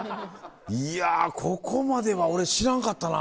いやここまでは俺知らんかったな。